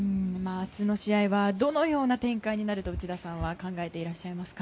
明日の試合はどのような展開になると内田さんは考えていらっしゃいますか。